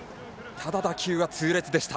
ただ、打球は痛烈でした。